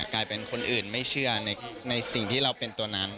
กลายเป็นคนอื่นไม่เชื่อในสิ่งที่เราเป็นตัวนั้น